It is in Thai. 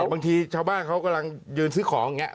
บางทีชาวบ้านเขากำลังยืนซื้อของอย่างนี้